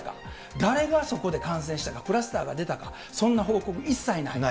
誰がそこで感染したか、クラスターが出たか、そんな報告一切ない。